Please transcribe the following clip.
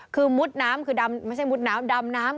คือมุดน้ำคือดำไม่ใช่มุดน้ำดำน้ำ